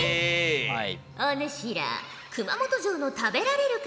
お主ら熊本城の食べられる壁